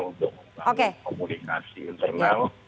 untuk membangun komunikasi internal